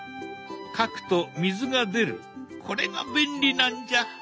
描くと水が出るこれが便利なんじゃ。